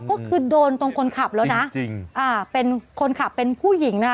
ก็คือโดนตรงคนขับแล้วนะจริงอ่าเป็นคนขับเป็นผู้หญิงนะคะ